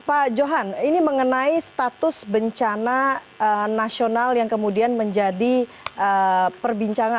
pak johan ini mengenai status bencana nasional yang kemudian menjadi perbincangan